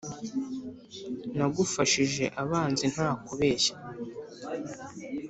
Nagufashije abanzi nta kubeshya,